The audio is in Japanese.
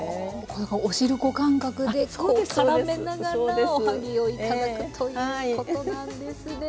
こうなんかおしるこ感覚でこう絡めながらおはぎを頂くということなんですね。